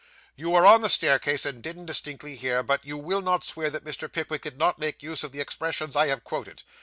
'You were on the staircase, and didn't distinctly hear; but you will not swear that Pickwick did not make use of the expressions I have quoted?